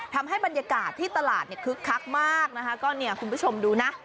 ทำให้บรรยากาศที่ตลาดเนี่ยคึกคักมากนะคะก็เนี่ยคุณผู้ชมดูนะ